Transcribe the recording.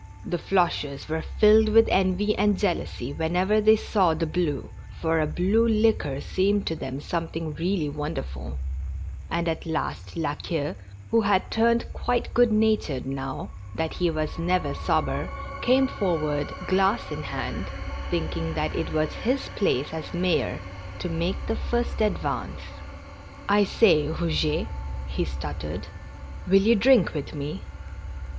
The Floches were filled with envy and jealousy whenever they saw the blue, for a blue liquor seemed to them something really wonderful; and at last La Queue, who had turned quite good natured now that he was never sober, came for ward, glass in hand, thinking that it was his place as mayor to make the first advance. " I say, Eouget," he stuttered, " will you drink with me?